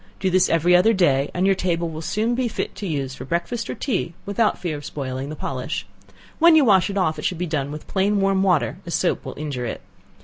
Do this every other day and your table will soon be fit to use for breakfast or tea without fear of spoiling the polish; when you wash it off it should be done with plain warm water, as soap will injure it.